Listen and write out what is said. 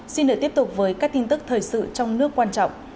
xin được tiếp tục với các tin tức thời sự trong nước quan trọng